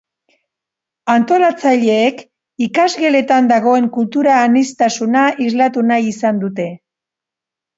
Antolatzaileek ikasgeletan dagoen kultura aniztasuna islatu nahi izan dute.